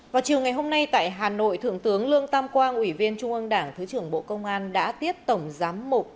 vào chiều ngày hôm nay tại hà nội thượng tướng lương tam quang ủy viên trung ương đảng thứ trưởng bộ công an đã tiếp tổng giám mục